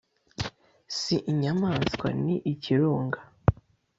Si inyamaswa ni ikirunga